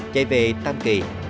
chạy về tam kỳ